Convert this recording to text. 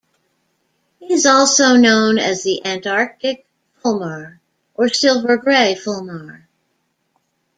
It is also known as the Antarctic fulmar or silver-grey fulmar.